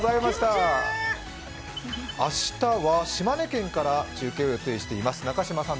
明日は島根県から中継を予定しています。